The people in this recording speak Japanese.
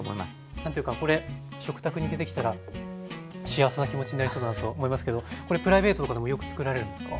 何ていうかこれ食卓に出てきたら幸せな気持ちになりそうだなと思いますけどこれプライベートとかでもよくつくられるんですか？